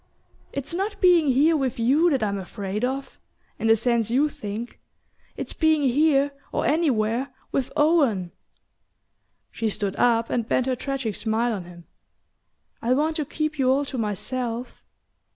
It's not being here with you that I'm afraid of in the sense you think. It's being here, or anywhere, with Owen." She stood up and bent her tragic smile on him. "I want to keep you all to myself."